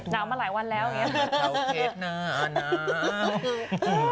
มาหลายวันแล้วอย่างนี้